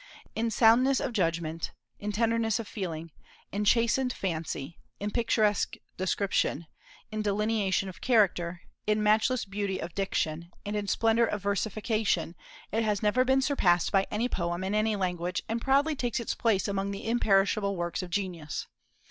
In soundness of judgment, in tenderness of feeling, in chastened fancy, in picturesque description, in delineation of character, in matchless beauty of diction, and in splendor of versification, it has never been surpassed by any poem in any language, and proudly takes its place among the imperishable works of genius.